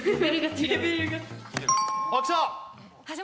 あっきた！